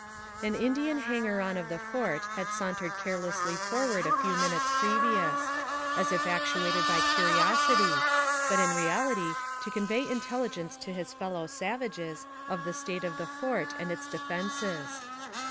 An Indian hanger on of the fort had sauntered care lessly forward a few minutes previous, as if actuated 18 210 NARRATIVE OF CAPTIVITY by curiosity, but in reality to convey intelligence to his fellow savages of the state of the fort and its de fenses.